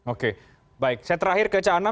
oke baik saya terakhir ke ca enam